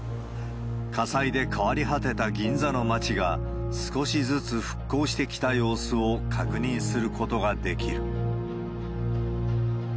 火災で変わり果てた銀座の街が、少しずつ復興してきた様子を確認することができる。